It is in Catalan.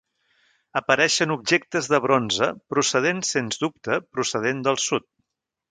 Apareixen objectes de bronze, procedents sens dubte procedent del sud.